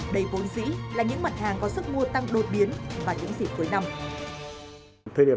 đây vốn dĩ là những mật hàng có sức khỏe